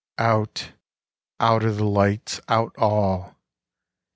Out—out are the lights—out all!